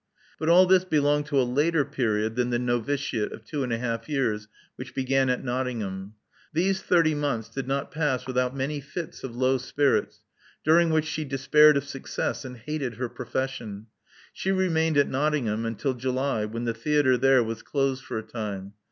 But all this belonged to a later period than the novitiate of two and a half years which began at Nott ingham. These thirty months did not pass without many fits of low spirits, during which she despaired of success and hated her profession. She remained at Nottingham until July, when the theatre there was closed for a time.